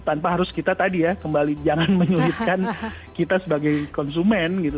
tanpa harus kita tadi ya kembali jangan menyulitkan kita sebagai konsumen gitu